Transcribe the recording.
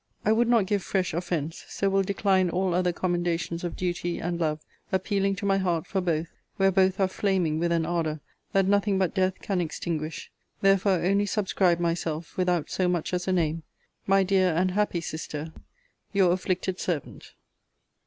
I would not give fresh offence: so will decline all other commendations of duty and love: appealing to my heart for both, where both are flaming with an ardour that nothing but death can extinguish: therefore only subscribe myself, without so much as a name, My dear and happy Sister, Your afflicted servant.